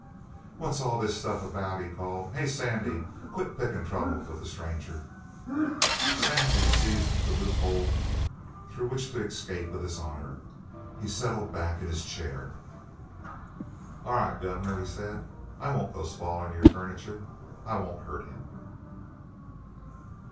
"What's all this stuff about?" he called. "Hey, Sandy, quit pickin' trouble with the stranger!" Sandy seized the loophole through which to escape with his honour. He settled back in his chair. "All right, gov'nor," he said, "I won't go spoilin' your furniture. I won't hurt him."